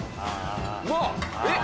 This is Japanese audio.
・うわえっ！